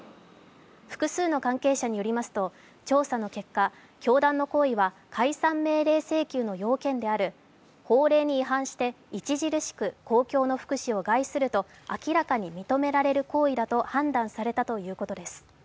複数の関係者によりますと調査の結果、教団の行為は解散命令請求の要件である法令に違反して著しく公共の福祉を害すると明らかに認められる行為だと判断されたということです。